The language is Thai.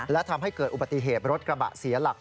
และทำให้เกิดอุบัติเหตุรถกระบะเสียหลัก